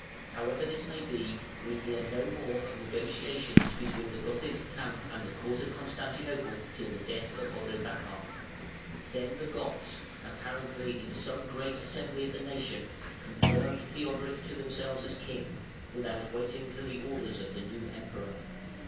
However this may be, we hear no more of negotiations between the Gothic camp and the Court of Constantinople till the death of Odovacar(493). Then the Goths, apparently in some great assembly of the nation, "confirmed Theodoric to themselves as King", without waiting for the orders of the new Emperor.